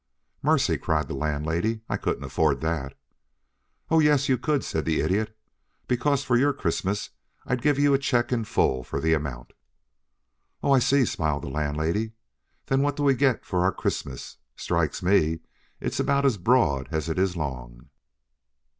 "Mercy!" cried the Landlady. "I couldn't afford that " "Oh, yes you could," said the Idiot. "Because for your Christmas I'd give you a check in full for the amount." "Oh I see," smiled the Landlady. "Then what do we get for our Christmas? Strikes me it's about as broad as it is long."